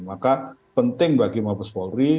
maka penting bagi mabes polri